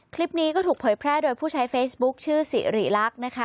คลิปนี้ก็ถูกเผยแพร่โดยผู้ใช้เฟซบุ๊คชื่อสิริลักษณ์นะคะ